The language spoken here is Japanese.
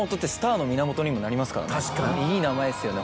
いい名前ですよね